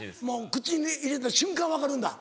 口に入れた瞬間分かるんだ？